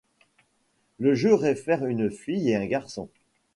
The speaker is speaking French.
Le jeu réfère une fille et un garçon.